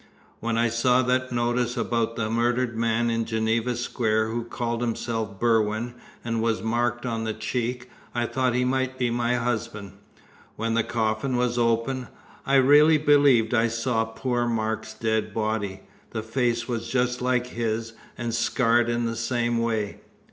When I saw that notice about the murdered man in Geneva Square, who called himself Berwin, and was marked on the cheek, I thought he might be my husband. When the coffin was opened, I really believed I saw poor Mark's dead body. The face was just like his, and scarred in the same way."